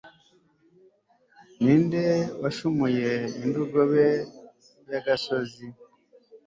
ni nde washumuye indogobe y'agasozi